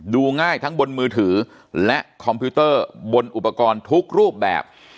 ดูง่ายทั้งบนมือถือและคอมพิวเตอร์บนอุปกรณ์ทุกรูปแบบ